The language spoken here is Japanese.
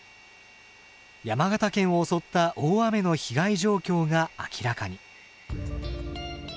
山形県を襲った大雨の被害状況が明らかに。